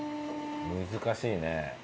難しいね。